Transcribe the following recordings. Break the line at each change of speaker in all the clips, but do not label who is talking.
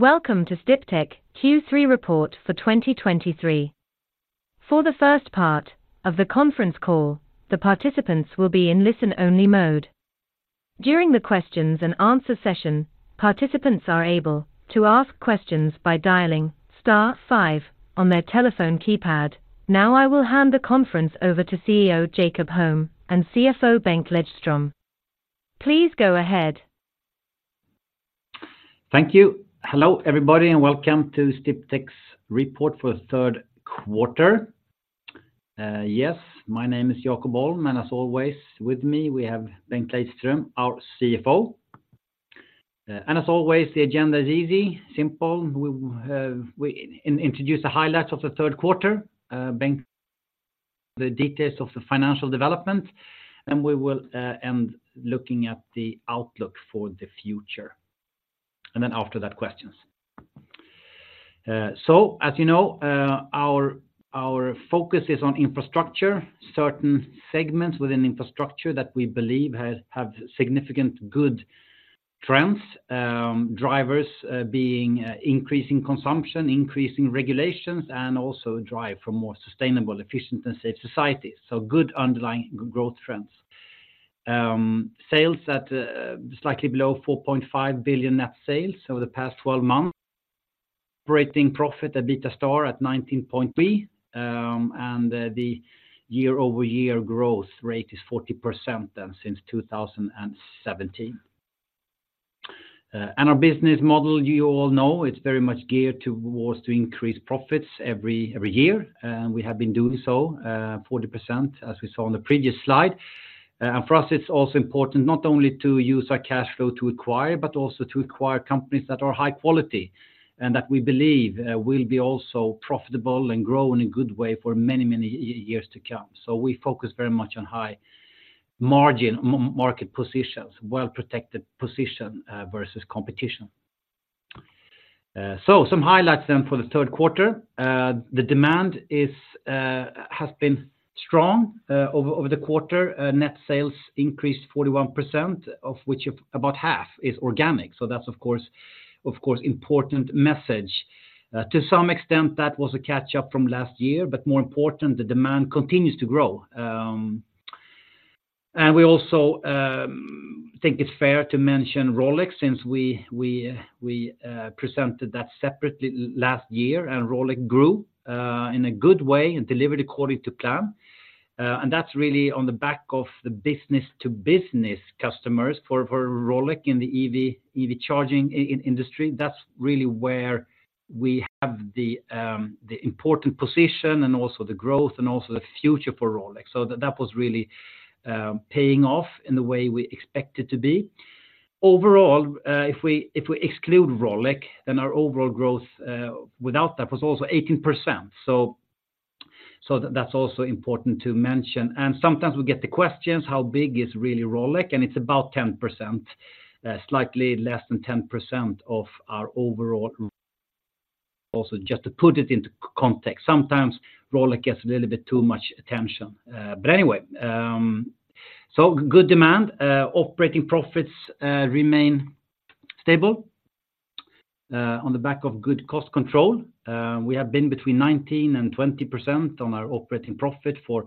Welcome to Sdiptech Q3 Report for 2023. For the first part of the conference call, the participants will be in listen-only mode. During the questions and answer session, participants are able to ask questions by dialing star five on their telephone keypad. Now, I will hand the conference over to CEO Jakob Holm and CFO Bengt Lejdström. Please go ahead.
Thank you. Hello, everybody, and welcome to Sdiptech's Report for the third quarter. Yes, my name is Jakob Holm, and as always, with me, we have Bengt Lejdström, our CFO. As always, the agenda is easy, simple. We introduce the highlights of the third quarter, Bengt, the details of the financial development, and we will end looking at the outlook for the future, and then after that, questions. As you know, our focus is on infrastructure, certain segments within infrastructure that we believe have significant good trends, drivers, being increasing consumption, increasing regulations, and also drive for more sustainable, efficient, and safe societies. Good underlying growth trends. Sales at slightly below 4.5 billion net sales over the past 12 months, operating profit, EBITA star at 19.3%, and the year-over-year growth rate is 40% than since 2017. Our business model, you all know, it's very much geared towards to increase profits every year, and we have been doing so, 40%, as we saw on the previous slide. For us, it's also important not only to use our cash flow to acquire, but also to acquire companies that are high quality and that we believe will be also profitable and grow in a good way for many, many years to come. We focus very much on high margin, market positions, well-protected position versus competition. Some highlights then for the third quarter. The demand is has been strong over the quarter. Net sales increased 41%, of which about half is organic, so that's, of course, important message. To some extent, that was a catch-up from last year, but more important, the demand continues to grow. And we also think it's fair to mention Rolec, since we presented that separately last year, and Rolec grew in a good way and delivered according to plan. And that's really on the back of the business-to-business customers for Rolec in the EV charging industry. That's really where we have the important position and also the growth and also the future for Rolec. So that was really paying off in the way we expect it to be. Overall, if we exclude Rolec, then our overall growth without that was also 18%. So that's also important to mention. And sometimes we get the questions, how big is really Rolec? And it's about 10%, slightly less than 10% of our overall... Also, just to put it into context, sometimes Rolec gets a little bit too much attention. But anyway, so good demand, operating profits remain stable on the back of good cost control. We have been between 19% and 20% on our operating profit for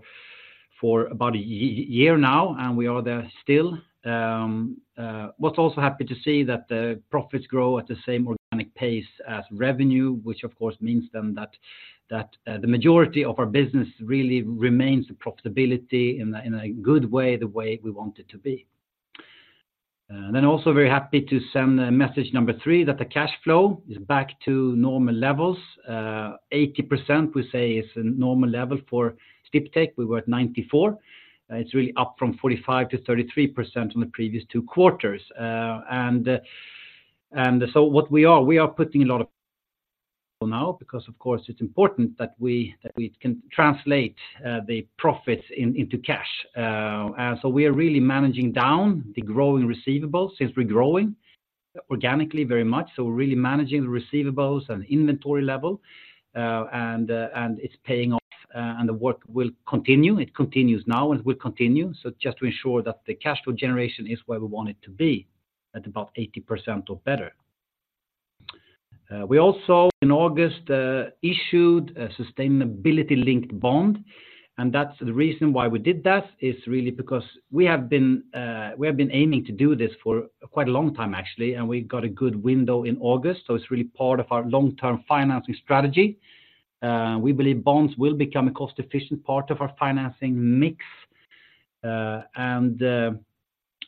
about a year now, and we are there still. What's also happy to see that the profits grow at the same organic pace as revenue, which of course means then that the majority of our business really remains the profitability in a good way, the way we want it to be. Then also very happy to send message number three, that the cash flow is back to normal levels. 80%, we say, is a normal level for Sdiptech. We were at 94%. It's really up from 45%-33% on the previous two quarters. And so what we are putting a lot of. For now, because of course, it's important that we can translate the profits into cash. And so we are really managing down the growing receivables since we're growing organically very much. So we're really managing the receivables and inventory level, and it's paying off, and the work will continue. It continues now, and it will continue. So just to ensure that the cash flow generation is where we want it to be, at about 80% or better. We also, in August, issued a sustainability-linked bond, and that's the reason why we did that is really because we have been aiming to do this for quite a long time, actually, and we got a good window in August, so it's really part of our long-term financing strategy. We believe bonds will become a cost-efficient part of our financing mix.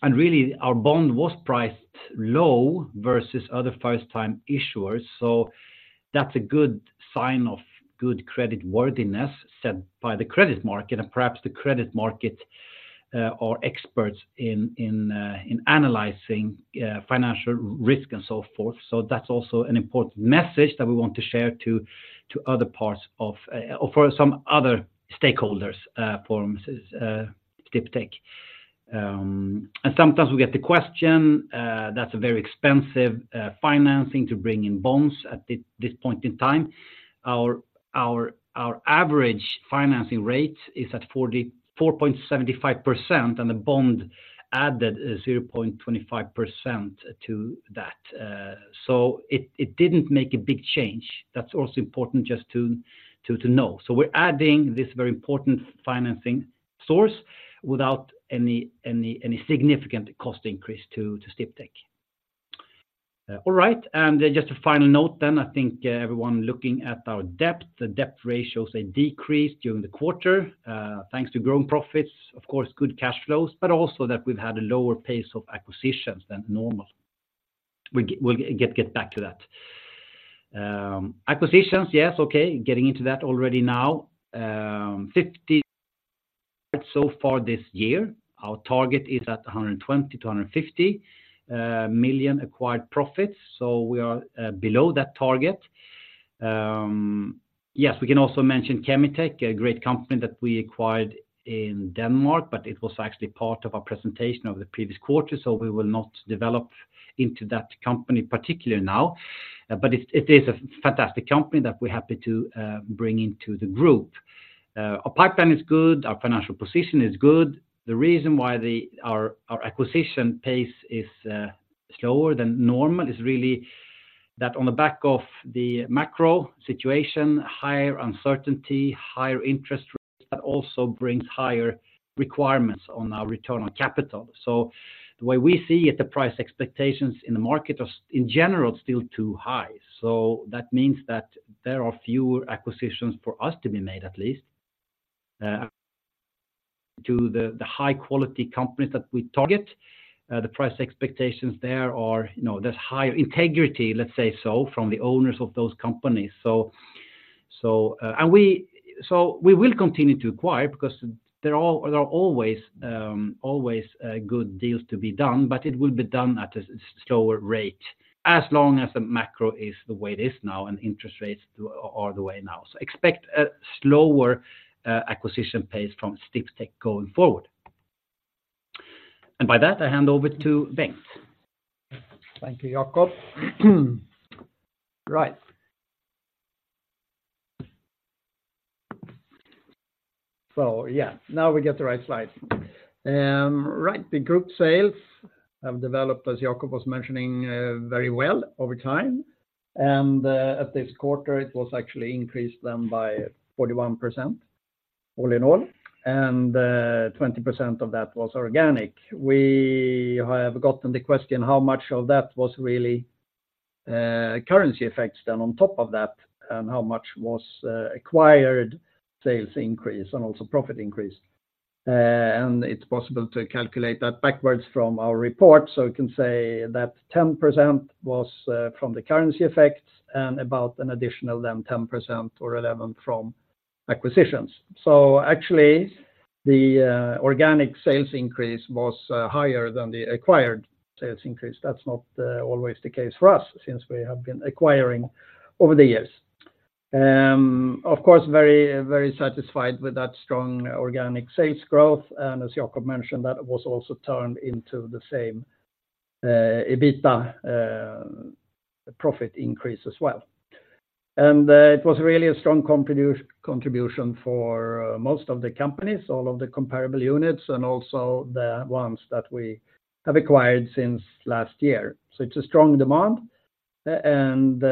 And really, our bond was priced low versus other first-time issuers. So that's a good sign of good creditworthiness set by the credit market, and perhaps the credit market are experts in analyzing financial risk and so forth. So that's also an important message that we want to share to other parts of or for some other stakeholders for us Sdiptech. And sometimes we get the question that's a very expensive financing to bring in bonds at this point in time. Our average financing rate is at 4.75%, and the bond added 0.25% to that. So it didn't make a big change. That's also important just to know. So we're adding this very important financing source without any significant cost increase to Sdiptech. All right, and just a final note then, I think everyone looking at our debt, the debt ratios, they decreased during the quarter, thanks to growing profits, of course, good cash flows, but also that we've had a lower pace of acquisitions than normal. We'll get back to that. Acquisitions, yes, okay, getting into that already now. Fifty so far this year, our target is at 120 million-150 million acquired profits, so we are below that target. Yes, we can also mention Kemi-tech, a great company that we acquired in Denmark, but it was actually part of our presentation over the previous quarter, so we will not develop into that company particularly now. It's, it is a fantastic company that we're happy to bring into the group. Our pipeline is good, our financial position is good. The reason why our acquisition pace is slower than normal is really that on the back of the macro situation, higher uncertainty, higher interest rates, that also brings higher requirements on our return on capital. So the way we see it, the price expectations in the market are, in general, still too high. So that means that there are fewer acquisitions for us to be made, at least, to the high quality companies that we target. The price expectations there are, you know, there's higher integrity, let's say so, from the owners of those companies. So we will continue to acquire because there are always good deals to be done, but it will be done at a slower rate, as long as the macro is the way it is now and interest rates are the way it now. So expect a slower acquisition pace from Sdiptech going forward. And by that, I hand over to Bengt.
Thank you, Jakob. Right. So yeah, now we get the right slide. Right, the group sales have developed, as Jakob was mentioning, very well over time. And at this quarter, it was actually increased then by 41%, all in all, and 20% of that was organic. We have gotten the question, how much of that was really currency effects then on top of that, and how much was acquired sales increase and also profit increase? And it's possible to calculate that backwards from our report. So we can say that 10% was from the currency effects and about an additional then 10% or 11% from acquisitions. So actually, the organic sales increase was higher than the acquired sales increase. That's not always the case for us since we have been acquiring over the years. Of course, very, very satisfied with that strong organic sales growth, and as Jakob mentioned, that was also turned into the same, EBITA, profit increase as well. It was really a strong contribution for most of the companies, all of the comparable units, and also the ones that we have acquired since last year. It's a strong demand, and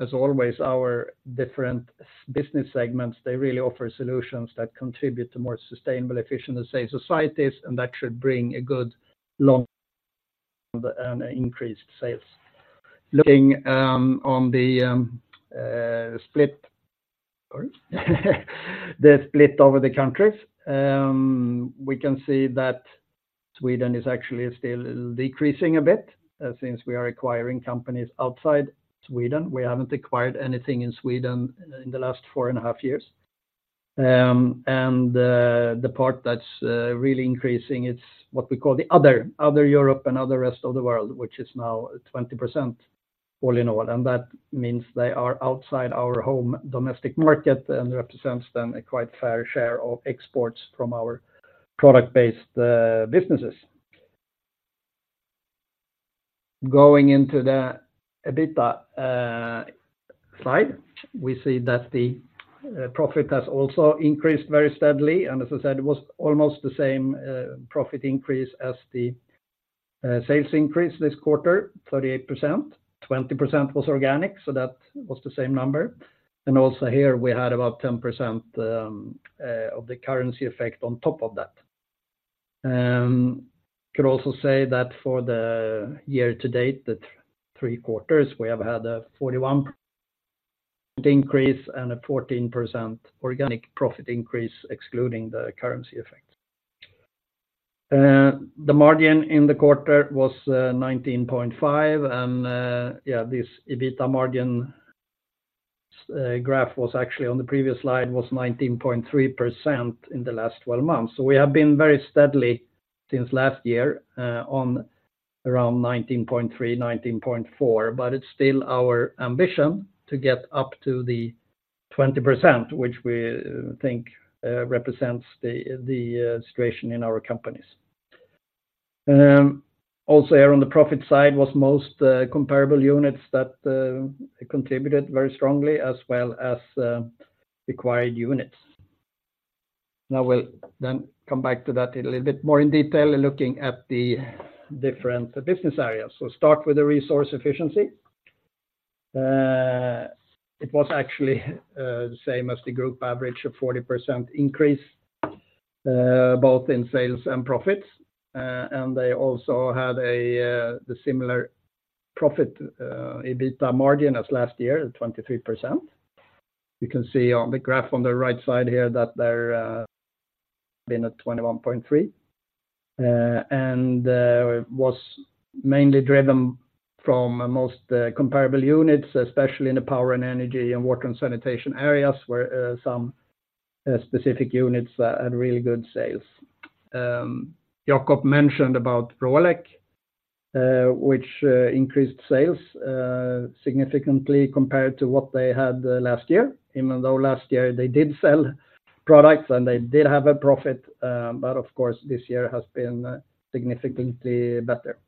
as always, our different business segments, they really offer solutions that contribute to more sustainable, efficient, and safe societies, and that should bring a good long and increased sales. Looking on the split, sorry, the split over the countries, we can see that Sweden is actually still decreasing a bit, since we are acquiring companies outside Sweden. We haven't acquired anything in Sweden in the last four and a half years. And the part that's really increasing is what we call the other Europe and other rest of the world, which is now 20% all in all, and that means they are outside our home domestic market and represents then a quite fair share of exports from our product-based businesses. Going into the EBITA slide, we see that the profit has also increased very steadily, and as I said, it was almost the same profit increase as the sales increase this quarter, 38%. 20% was organic, so that was the same number. And also here, we had about 10% of the currency effect on top of that. Could also say that for the year to date, the three quarters, we have had a 41 increase and a 14% organic profit increase, excluding the currency effect. The margin in the quarter was 19.5%, and yeah, this EBITDA margin graph was actually on the previous slide, was 19.3% in the last twelve months. So we have been very steadily since last year on around 19.3%, 19.4%, but it's still our ambition to get up to 20%, which we think represents the situation in our companies. Also here on the profit side was most comparable units that contributed very strongly as well as acquired units. Now, we'll then come back to that in a little bit more in detail in looking at the different business areas. So, start with Resource Efficiency. It was actually the same as the group average of 40% increase, both in sales and profits. And they also had the similar profit EBITDA margin as last year, at 23%. You can see on the graph on the right side here that they've been at 21.3%. And it was mainly driven from most comparable units, especially in the power and energy and water and sanitation areas, where some specific units had really good sales. Jakob mentioned about Rolec, which increased sales significantly compared to what they had last year, even though last year they did sell products and they did have a profit, but of course, this year has been significantly better.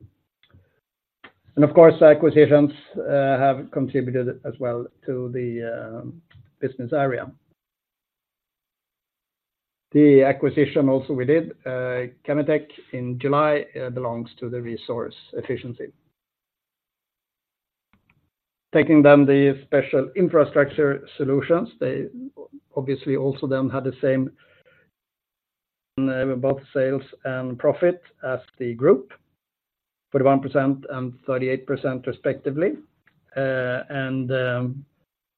Of course, acquisitions have contributed as well to the business area. The acquisition also we did, Kemi-tech in July, belongs to the Resource Efficiency. Taking then the Infrastructure Solutions, they obviously also then had the same both sales and profit as the group, 41% and 38% respectively. And,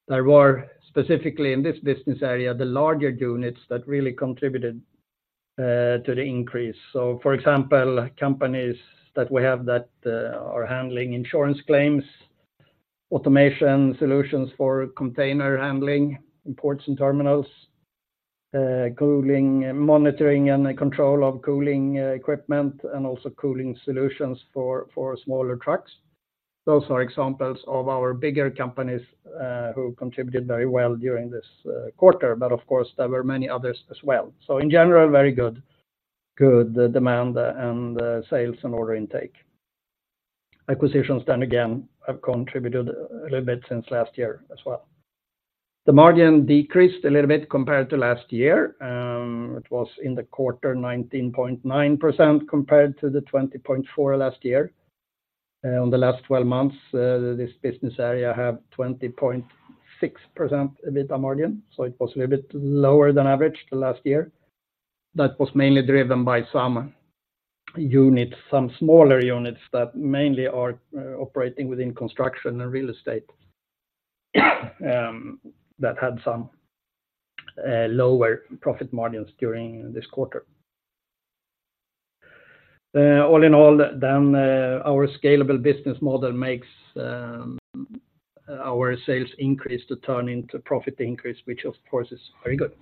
there were specifically in this business area, the larger units that really contributed to the increase. So for example, companies that we have that are handling insurance claims, automation solutions for container handling, imports and terminals, cooling, monitoring, and control of cooling equipment, and also cooling solutions for smaller trucks. Those are examples of our bigger companies who contributed very well during this quarter, but of course, there were many others as well. So in general, very good, good demand and sales and order intake. Acquisitions then again have contributed a little bit since last year as well. The margin decreased a little bit compared to last year. It was in the quarter 19.9% compared to the 20.4% last year. On the last 12 months, this business area have 20.6% EBITDA margin, so it was a little bit lower than average the last year. That was mainly driven by some units, some smaller units that mainly are operating within construction and real estate, that had some lower profit margins during this quarter. All in all, our scalable business model makes our sales increase to turn into profit increase, which of course, is very good.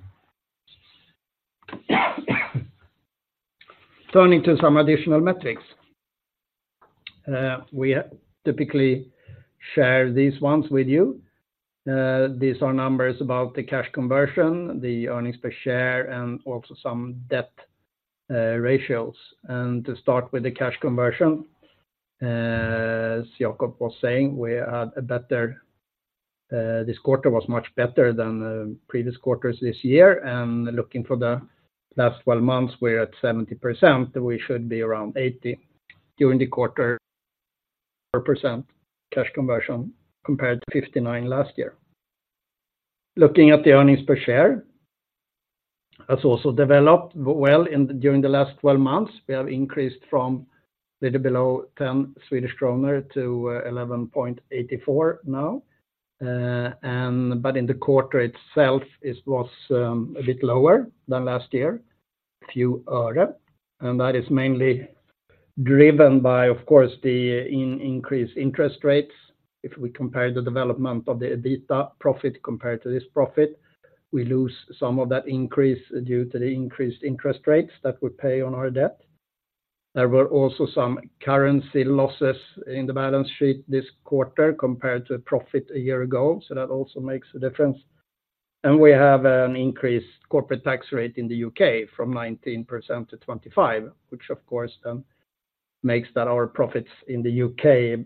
Turning to some additional metrics. We typically share these ones with you. These are numbers about the cash conversion, the earnings per share, and also some debt ratios. To start with the cash conversion, as Jakob was saying, we are at a better, this quarter was much better than the previous quarters this year, and looking for the last 12 months, we're at 70%. We should be around 80% during the quarter cash conversion compared to 59% last year. Looking at the earnings per share, that's also developed well during the last 12 months. We have increased from a little below 10-11.84 Swedish kronor now. But in the quarter itself, it was a bit lower than last year, a few öre, and that is mainly driven by, of course, the increased interest rates. If we compare the development of the EBITDA profit compared to this profit, we lose some of that increase due to the increased interest rates that we pay on our debt. There were also some currency losses in the balance sheet this quarter compared to profit a year ago, so that also makes a difference. We have an increased corporate tax rate in the U.K. from 19%-25%, which of course, then makes that our profits in the U.K.,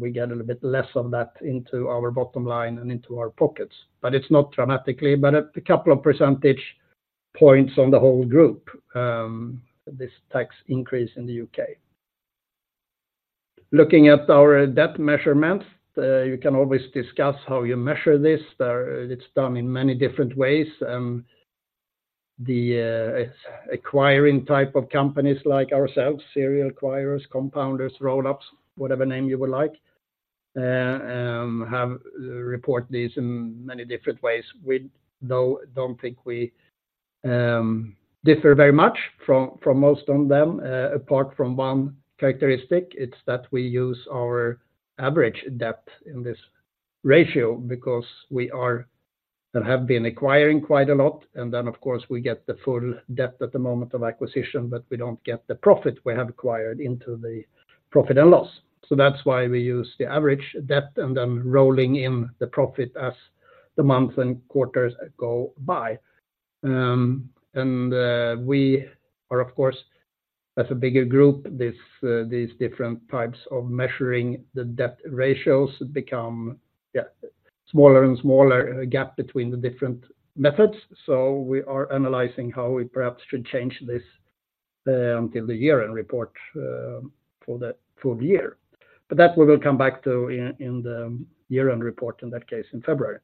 we get a little bit less of that into our bottom line and into our pockets. But it's not dramatically, but a couple of percentage points on the whole group, this tax increase in the U.K. Looking at our debt measurements, you can always discuss how you measure this. There, it's done in many different ways, acquiring type of companies like ourselves, serial acquirers, compounders, roll-ups, whatever name you would like, have reported this in many different ways. We don't think we differ very much from most of them, apart from one characteristic, it's that we use our average debt in this ratio because we are and have been acquiring quite a lot, and then, of course, we get the full debt at the moment of acquisition, but we don't get the profit we have acquired into the profit and loss. That's why we use the average debt and then rolling in the profit as the months and quarters go by. We are, of course, as a bigger group, these different types of measuring the debt ratios become, yeah, smaller and smaller, a gap between the different methods. We are analyzing how we perhaps should change this until the year-end report for the full year. But that we will come back to in the year-end report, in that case, in February.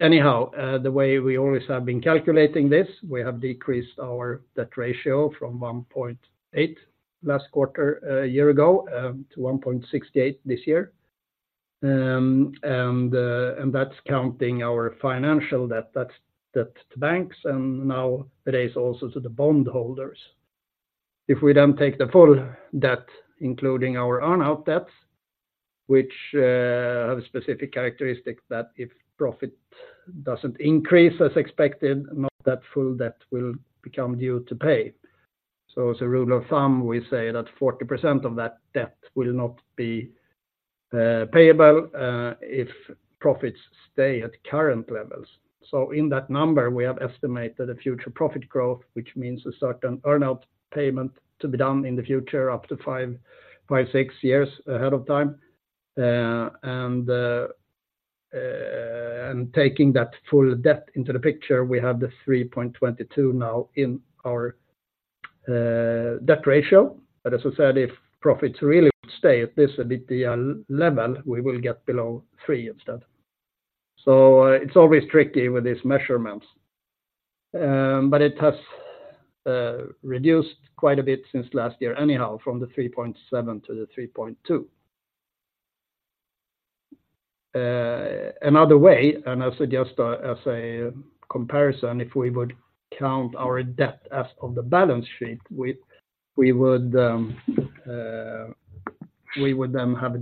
Anyhow, the way we always have been calculating this, we have decreased our debt ratio from 1.8 last quarter a year ago to 1.68 this year. And that's counting our financial debt, that's debt to banks, and now it is also to the bondholders. If we don't take the full debt, including our earn-out debts, which have a specific characteristic that if profit doesn't increase as expected, not that full debt will become due to pay. So as a rule of thumb, we say that 40% of that debt will not be payable if profits stay at current levels. So in that number, we have estimated a future profit growth, which means a certain earn-out payment to be done in the future, up to five-six years ahead of time. And taking that full debt into the picture, we have the 3.22 now in our debt ratio. But as I said, if profits really stay at this EBITDA level, we will get below three instead. So it's always tricky with these measurements, but it has reduced quite a bit since last year, anyhow, from the 3.7 to the 3.2. Another way, as suggested, as a comparison, if we would count our debt as of the balance sheet, we would then have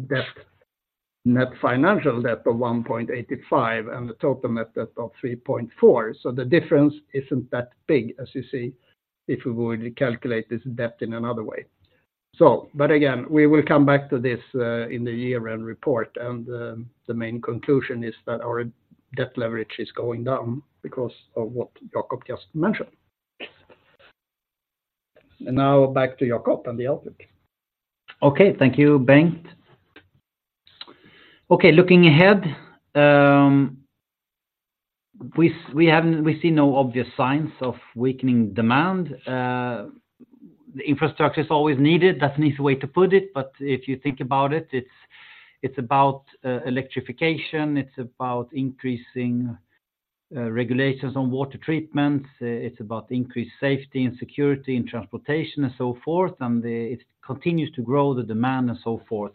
net financial debt of 1.85 and total net debt of 3.4. The difference isn't that big, as you see, if we were to calculate this debt in another way. But again, we will come back to this in the year-end report, and the main conclusion is that our debt leverage is going down because of what Jakob just mentioned. Now back to Jakob and the output.
Okay, thank you, Bengt. Looking ahead, we haven't-- we see no obvious signs of weakening demand. The infrastructure is always needed. That's an easy way to put it, but if you think about it, it's about electrification, it's about increasing regulations on water treatments, it's about increased safety and security in transportation and so forth, and it continues to grow the demand and so forth.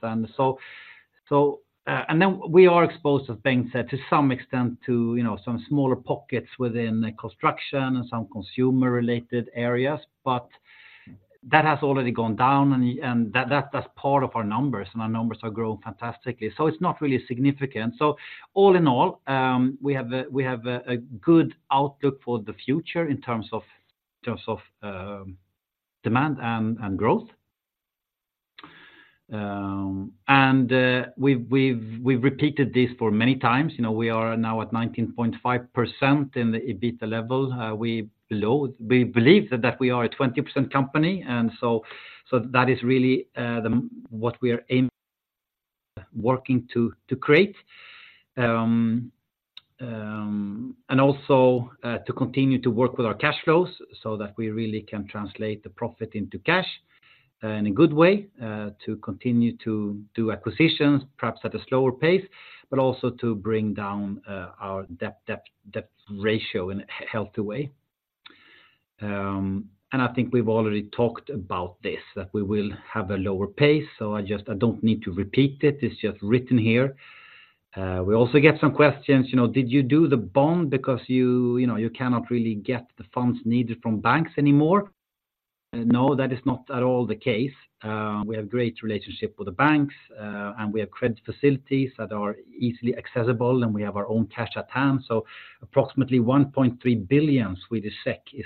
We are exposed, as Bengt said, to some extent to, you know, some smaller pockets within the construction and some consumer-related areas, but that has already gone down, and that's part of our numbers, and our numbers are growing fantastically. It's not really significant. So all in all, we have a good outlook for the future in terms of demand and growth. And we've repeated this for many times. You know, we are now at 19.5% in the EBITDA level. We believe that we are a 20% company, and so that is really what we are working to create. And also to continue to work with our cash flows so that we really can translate the profit into cash in a good way to continue to do acquisitions, perhaps at a slower pace, but also to bring down our debt ratio in a healthy way. And I think we've already talked about this, that we will have a lower pace, so I just, I don't need to repeat it. It's just written here. We also get some questions, you know, did you do the bond because you, you know, you cannot really get the funds needed from banks anymore? No, that is not at all the case. We have great relationship with the banks, and we have credit facilities that are easily accessible, and we have our own cash at hand. So approximately 1.3 billion Swedish SEK is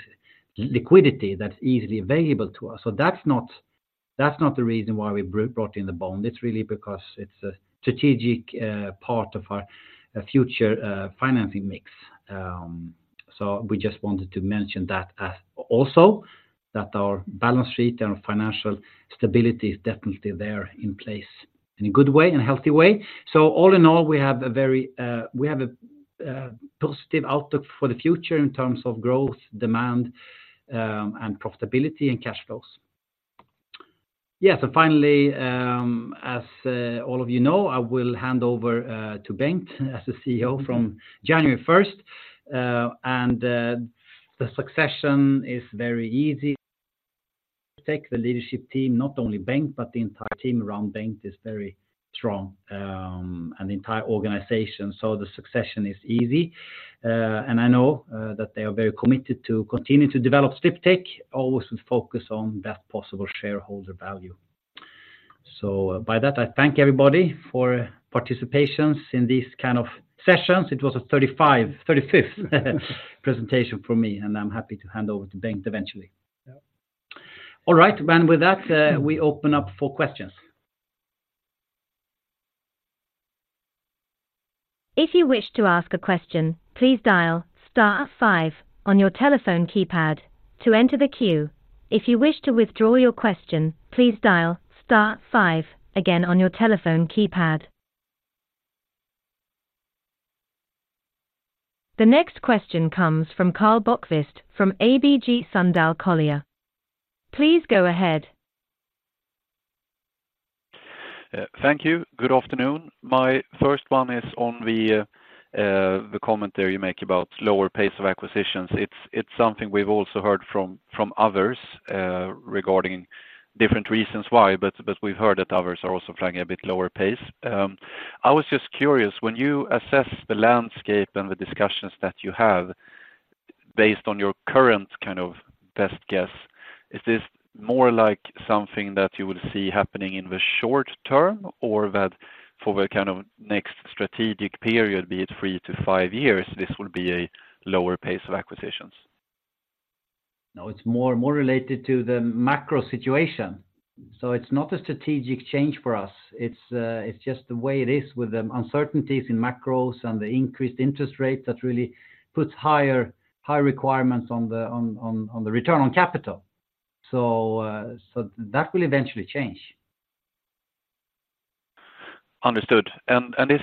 liquidity that's easily available to us. So that's not, that's not the reason why we brought in the bond. It's really because it's a strategic part of our future financing mix. We just wanted to mention that also, that our balance sheet and financial stability is definitely there in place in a good way and a healthy way. All in all, we have a very, we have a positive outlook for the future in terms of growth, demand, and profitability and cash flows. Yes, and finally, as all of you know, I will hand over to Bengt as the CEO from January first. The succession is very easy. Take the leadership team, not only Bengt, but the entire team around Bengt is very strong, and the entire organization, so the succession is easy. I know that they are very committed to continue to develop Sdiptech, always with focus on that possible shareholder value. So by that, I thank everybody for participation in these kind of sessions. It was a 35, 35th presentation for me, and I'm happy to hand over to Bengt eventually.
Yeah.
All right, and with that, we open up for questions....
If you wish to ask a question, please dial star five on your telephone keypad to enter the queue. If you wish to withdraw your question, please dial star five again on your telephone keypad. The next question comes from Karl Bokvist from ABG Sundal Collier. Please go ahead.
Thank you. Good afternoon. My first one is on the commentary you make about lower pace of acquisitions. It's something we've also heard from others regarding different reasons why, but we've heard that others are also flying a bit lower pace. I was just curious, when you assess the landscape and the discussions that you have, based on your current kind of best guess, is this more like something that you will see happening in the short term, or that for the kind of next strategic period, be it three-five years, this will be a lower pace of acquisitions?
No, it's more related to the macro situation. So it's not a strategic change for us. It's just the way it is with the uncertainties in macros and the increased interest rate that really puts higher requirements on the return on capital. So that will eventually change.
Understood. And is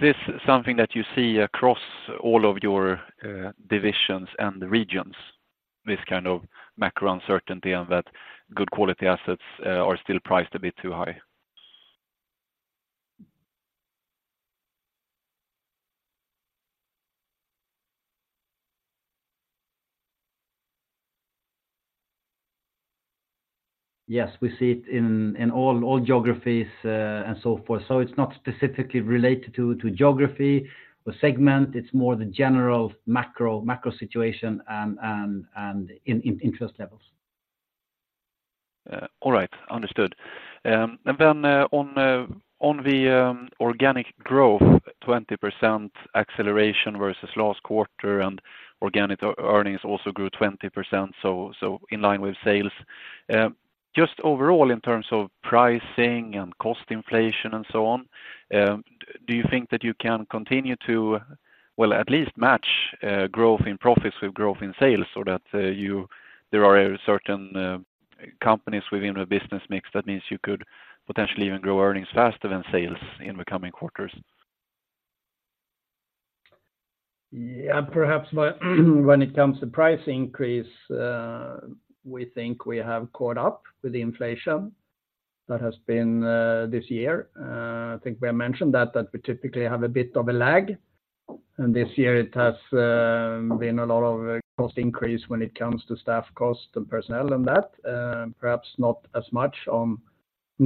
this something that you see across all of your divisions and the regions, this kind of macro uncertainty, and that good quality assets are still priced a bit too high?
Yes, we see it in all geographies and so forth. So it's not specifically related to geography or segment. It's more the general macro situation and in interest levels.
All right. Understood. And then, on the, on the, organic growth, 20% acceleration versus last quarter, and organic earnings also grew 20%, so in line with sales. Just overall, in terms of pricing and cost inflation and so on, do you think that you can continue to, well, at least match, growth in profits with growth in sales, so that there are certain, companies within the business mix, that means you could potentially even grow earnings faster than sales in the coming quarters?
Yeah, perhaps by when it comes to price increase, we think we have caught up with the inflation that has been this year. I think we have mentioned that that we typically have a bit of a lag, and this year it has been a lot of cost increase when it comes to staff cost and personnel, and that perhaps not as much on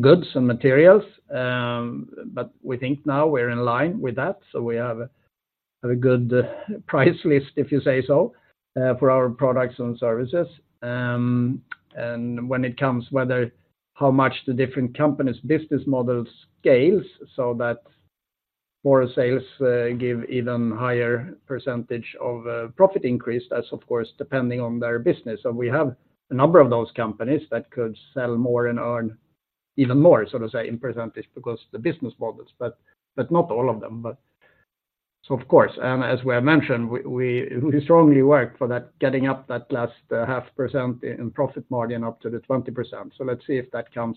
goods and materials. But we think now we're in line with that, so we have a good price list, if you say so, for our products and services. And when it comes whether how much the different company's business model scales, so that more sales give even higher percentage of profit increase, that's of course depending on their business. So we have a number of those companies that could sell more and earn even more, so to say, in percentage, because the business models, but not all of them. But so of course, and as we have mentioned, we strongly work for that, getting up that last 0.5% in profit margin up to the 20%. So let's see if that comes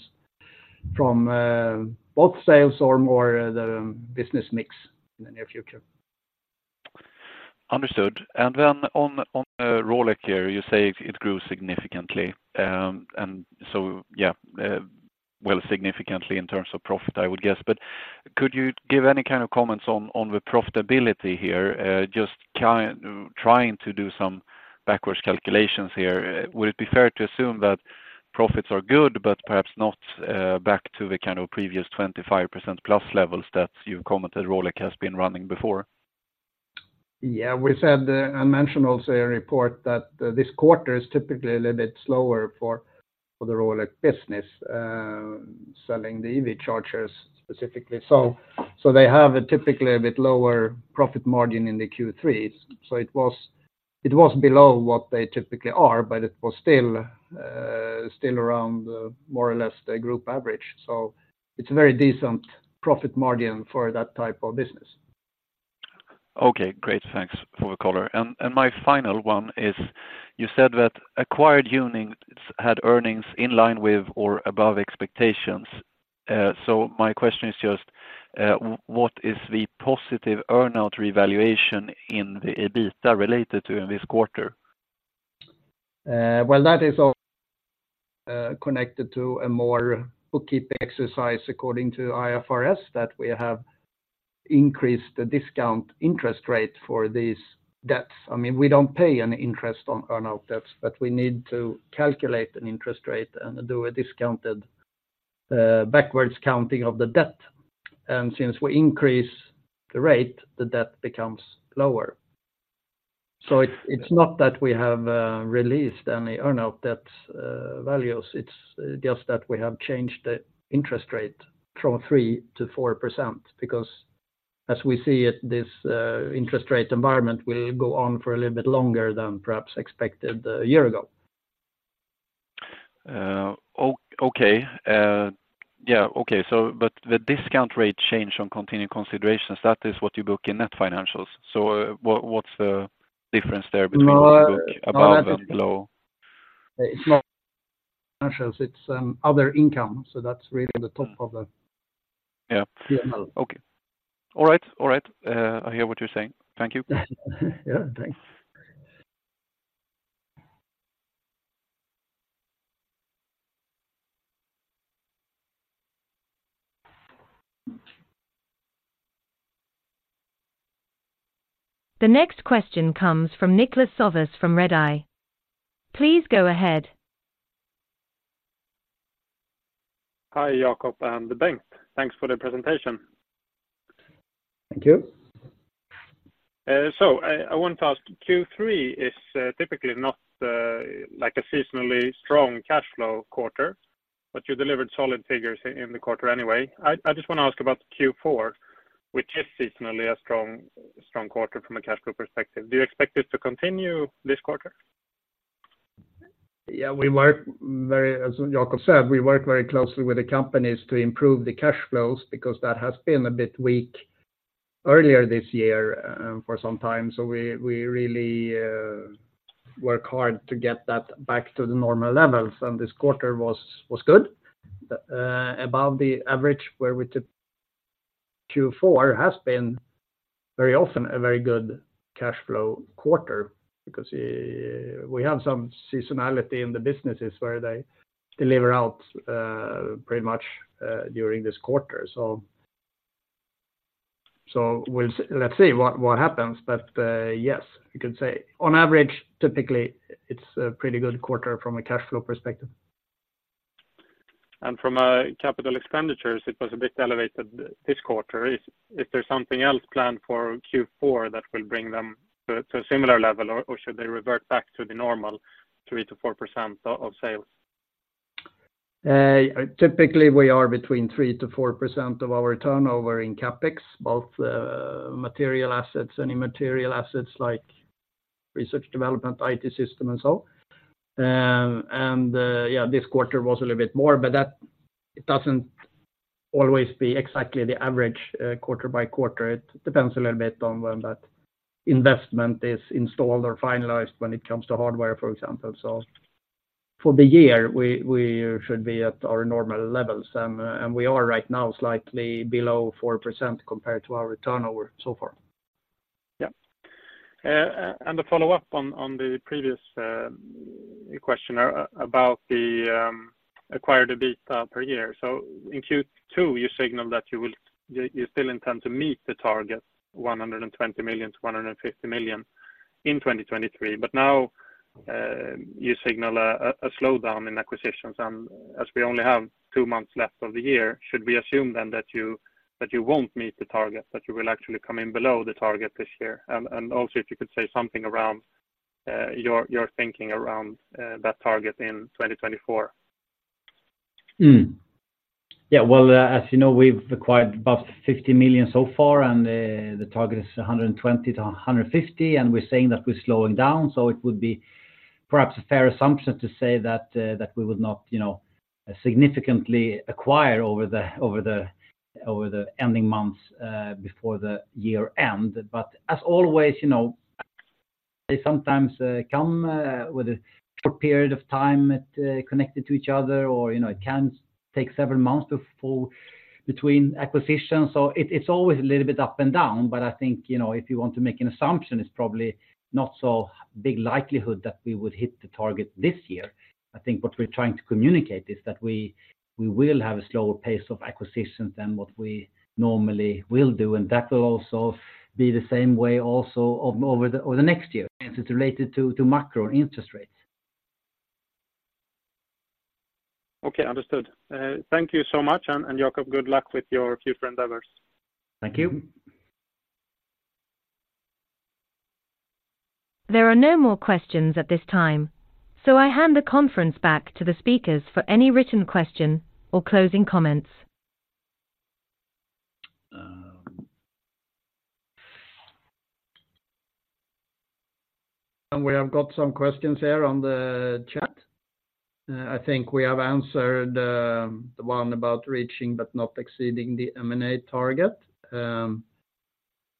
from both sales or more the business mix in the near future.
Understood. And then on the Rolec here, you say it grew significantly. And so, yeah, well, significantly in terms of profit, I would guess. But could you give any kind of comments on the profitability here? Just trying to do some backwards calculations here, would it be fair to assume that profits are good, but perhaps not back to the kind of previous 25%+ levels that you've commented Rolec has been running before?
Yeah, we said, I mentioned also a report that this quarter is typically a little bit slower for, for the Rolec business, selling the EV chargers specifically. So, so they have a typically a bit lower profit margin in the Q3s. So it was, it was below what they typically are, but it was still, still around more or less the group average. So it's a very decent profit margin for that type of business.
Okay, great. Thanks for the caller. And my final one is: you said that acquired units had earnings in line with or above expectations. So my question is just, what is the positive earn-out revaluation in the EBITDA related to in this quarter?
Well, that is all connected to a more bookkeeping exercise, according to IFRS, that we have increased the discount interest rate for these debts. I mean, we don't pay any interest on earn-out debts, but we need to calculate an interest rate and do a discounted backwards counting of the debt. And since we increase the rate, the debt becomes lower. So it's, it's not that we have released any earn-out debts values, it's just that we have changed the interest rate from 3%-4%, because as we see it, this interest rate environment will go on for a little bit longer than perhaps expected a year ago....
Okay, yeah. Okay, so but the discount rate change on continuing considerations, that is what you book in net financials. So what, what's the difference there between book above and below?
It's not financials, it's, other income, so that's really the top of the-
Yeah.
P&L.
Okay. All right. All right, I hear what you're saying. Thank you.
Yeah, thanks.
The next question comes from Niklas Sävås from Redeye. Please go ahead.
Hi, Jakob and Bengt. Thanks for the presentation.
Thank you.
So, I want to ask, Q3 is typically not like a seasonally strong cash flow quarter, but you delivered solid figures in the quarter anyway. I just wanna ask about Q4, which is seasonally a strong, strong quarter from a cash flow perspective. Do you expect it to continue this quarter?
Yeah, as Jakob said, we work very closely with the companies to improve the cash flows, because that has been a bit weak earlier this year, for some time. So we really work hard to get that back to the normal levels, and this quarter was good, above the average, where we took Q4 has been very often a very good cash flow quarter, because we have some seasonality in the businesses where they deliver out pretty much during this quarter. So let's see what happens. But yes, you could say, on average, typically, it's a pretty good quarter from a cash flow perspective.
From a capital expenditures, it was a bit elevated this quarter. Is there something else planned for Q4 that will bring them to a similar level, or should they revert back to the normal 3%-4% of sales?
Typically, we are between 3%-4% of our turnover in CapEx, both material assets and immaterial assets, like research development, IT system, and so on. Yeah, this quarter was a little bit more, but that it doesn't always be exactly the average quarter-by-quarter. It depends a little bit on when that investment is installed or finalized when it comes to hardware, for example. So for the year, we should be at our normal levels, and we are right now slightly below 4% compared to our turnover so far.
Yeah. And the follow-up on the previous question about the acquired EBIT per year. So in Q2, you signaled that you will... You still intend to meet the target, 120 million-150 million in 2023. But now you signal a slowdown in acquisitions, and as we only have two months left of the year, should we assume then that you won't meet the target, that you will actually come in below the target this year? And also, if you could say something around your thinking around that target in 2024.
Hmm. Yeah, well, as you know, we've acquired above 50 million so far, and the target is 120 million-150 million, and we're saying that we're slowing down. It would be perhaps a fair assumption to say that we would not, you know, significantly acquire over the, over the, over the ending months before the year end. As always, you know, they sometimes come with a short period of time, connected to each other, or, you know, it can take several months to full between acquisitions. It, it's always a little bit up and down, but I think, you know, if you want to make an assumption, it's probably not so big likelihood that we would hit the target this year. I think what we're trying to communicate is that we will have a slower pace of acquisitions than what we normally will do, and that will also be the same way over the next year, as it's related to macro interest rates.
Okay, understood. Thank you so much, and, and Jakob, good luck with your future endeavors.
Thank you.
There are no more questions at this time, so I hand the conference back to the speakers for any written question or closing comments.
We have got some questions here on the chat. I think we have answered the one about reaching but not exceeding the M&A target.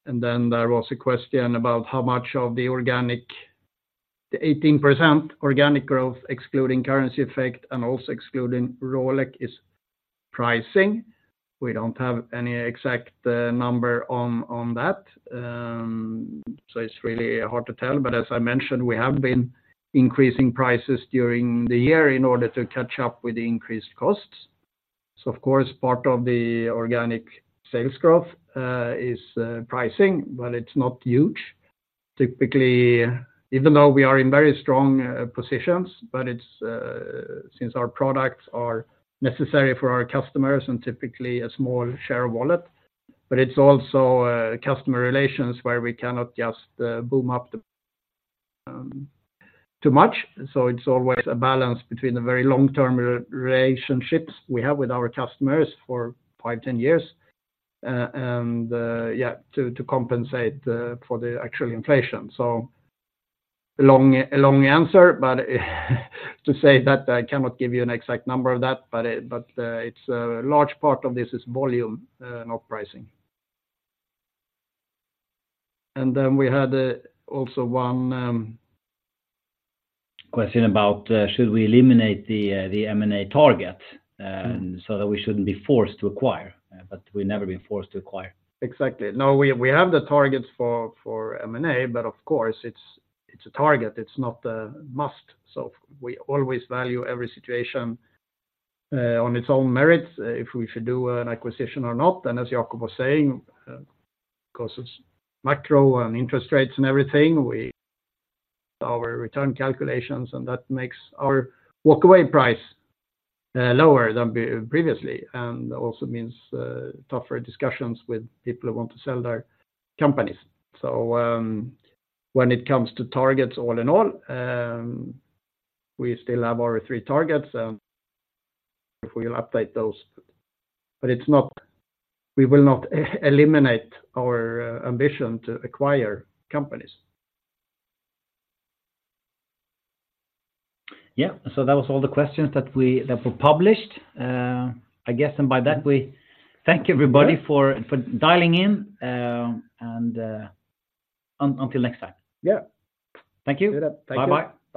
Then there was a question about how much of the organic, the 18% organic growth, excluding currency effect and also excluding Rolec, is pricing. We don't have any exact number on, on that, so it's really hard to tell. But as I mentioned, we have been increasing prices during the year in order to catch up with the increased costs. Of course, part of the organic sales growth is pricing, but it's not huge. Typically, even though we are in very strong positions, but it's, since our products are necessary for our customers and typically a small share of wallet, but it's also, customer relations where we cannot just, bump up the, too much. So it's always a balance between the very long-term relationships we have with our customers for five, 10 years, and, to compensate, for the actual inflation. So a long answer, but to say that I cannot give you an exact number of that, but it's a large part of this is volume, not pricing. And then we had also one question about, should we eliminate the, the M&A target, so that we shouldn't be forced to acquire, but we've never been forced to acquire. Exactly. No, we have the targets for M&A, but of course, it's a target, it's not a must. So we always value every situation on its own merits if we should do an acquisition or not, then as Jakob was saying, because it's macro and interest rates and everything, our return calculations, and that makes our walk away price lower than previously, and also means tougher discussions with people who want to sell their companies. So, when it comes to targets, all in all, we still have our three targets, and if we'll update those. But it's not we will not eliminate our ambition to acquire companies.
Yeah. So that was all the questions that were published. I guess and by that, we thank everybody for dialing in, and until next time.
Yeah.
Thank you.
See you then.
Bye-bye